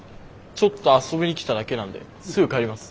ちょっと遊びに来ただけなんですぐ帰ります。